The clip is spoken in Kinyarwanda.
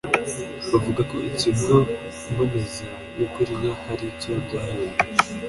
bahamya ko Ibigo mbonezamikurire hari icyo byahinduye